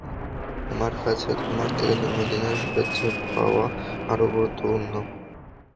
আমার কাছে, তোমার থেকে জন্মদিনের শুভেচ্ছা পাওয়া আরো গুরুত্বপূর্ণ।